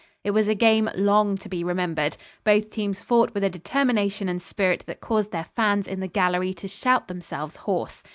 It was a game long to be remembered. Both teams fought with a determination and spirit that caused their fans in the gallery to shout themselves hoarse.